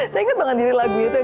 saya ingat pengantin lagunya itu